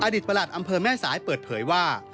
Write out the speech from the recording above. ประหลัดอำเภอแม่สายเปิดเผยว่า